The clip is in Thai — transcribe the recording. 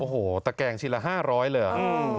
โอ้โหตะแก่งชีลละ๕๐๐เหลือ